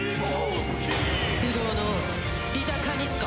不動の王リタ・カニスカ！